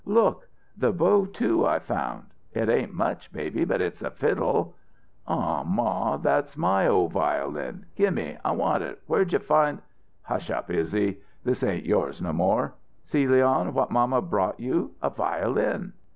Look the bow, too, I found. It ain't much, baby, but it's a fiddle." "Aw, ma that's my old violin gimme I want it where'd you find " "Hush up, Izzy! This ain't yours no more. See, Leon, what mamma brought you! A violin!"